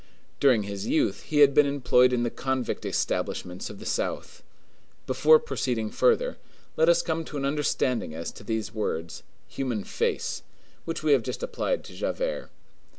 During his youth he had been employed in the convict establishments of the South. Before proceeding further, let us come to an understanding as to the words, "human face," which we have just applied to Javert.